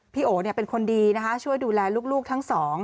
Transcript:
โอเป็นคนดีนะคะช่วยดูแลลูกทั้งสอง